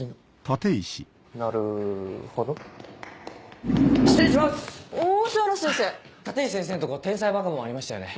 立石先生のとこ『天才バカボン』ありましたよね？